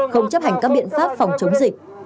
không chấp hành các biện pháp phòng chống dịch